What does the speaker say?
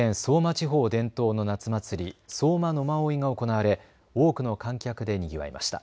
地方伝統の夏祭り、相馬野馬追が行われ多くの観客でにぎわいました。